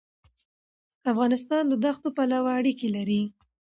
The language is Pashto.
افغانستان د دښتو پلوه اړیکې لري.